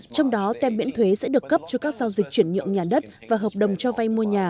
trong đó tem miễn thuế sẽ được cấp cho các giao dịch chuyển nhượng nhà đất và hợp đồng cho vay mua nhà